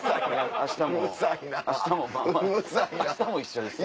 明日も一緒ですよ。